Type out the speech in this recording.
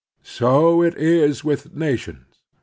So it is with nations.